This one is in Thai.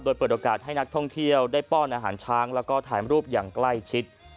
โดยเปิดโอกาสให้นักท่องเที่ยวได้ป้อนอาหารช้างแล้วก็ถ่ายรูปอย่างใกล้ชิด